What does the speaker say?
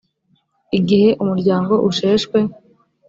igihe umuryango usheshwe